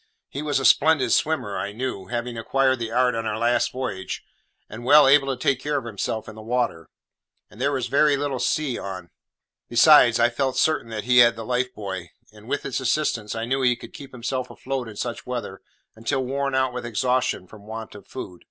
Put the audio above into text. He was a splendid swimmer, I knew, having acquired the art on our last voyage, and well able to take care of himself in the water; and there was very little sea on. Besides, I felt pretty certain he had the life buoy; and, with its assistance, I knew he could keep himself afloat in such weather until worn out with exhaustion from want of food.